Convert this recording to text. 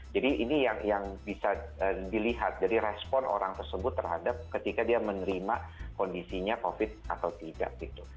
jadi ini yang bisa dilihat dari respon orang tersebut terhadap ketika dia menerima kondisinya covid atau tidak gitu